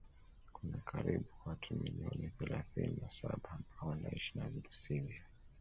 Kuna karibu watu milioni thalathini na saba ambao wanaishi na virusi hivyo